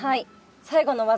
最後の技